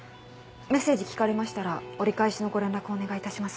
メッセージ聞かれましたら折り返しのご連絡をお願いいたします。